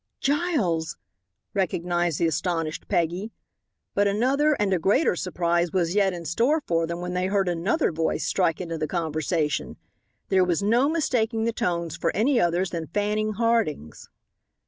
"Giles!" recognized the astonished Peggy. But another and a greater surprise was yet in store for them when they heard another voice strike into the conversation. There was no mistaking the tones for any others than Fanning Harding's.